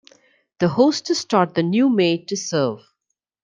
The hostess taught the new maid to serve.